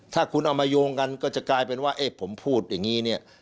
ถ้าคุณเอามาโยงกันก็จะกลายเป็นว่าเอ๊ะผมพูดอย่างนี้เนี่ย